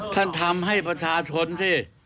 ท่านทำให้ประชาชนสิ